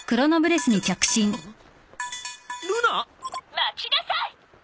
待ちなさい。